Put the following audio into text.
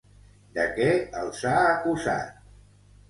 De què els ha acusat?